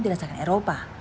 di dasar eropa